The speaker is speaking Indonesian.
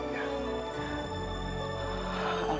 benarkah rai prabu